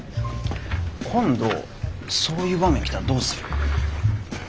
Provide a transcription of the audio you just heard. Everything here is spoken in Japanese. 今度そういう場面来たらどうする？